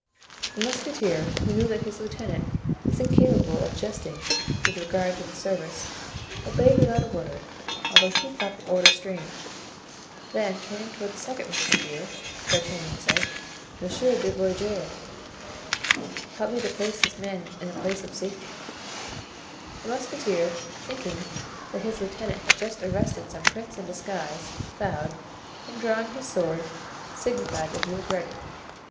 The musketeer, who knew that his lieutenant was incapable of jesting with regard to the service, obeyed without a word, although he thought the order strange. Then turning toward the second musketeer, D'Artagnan said: "Monsieur du Verger, help me to place this man in a place of safety." The musketeer, thinking that his lieutenant had just arrested some prince in disguise, bowed, and drawing his sword, signified that he was ready.